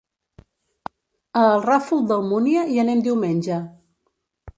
A el Ràfol d'Almúnia hi anem diumenge.